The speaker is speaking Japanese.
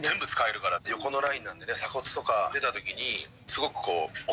横のラインなんでね鎖骨とか出た時にすごく。